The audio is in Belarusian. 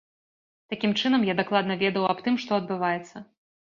Такім чынам, я дакладна ведаў аб тым, што адбываецца.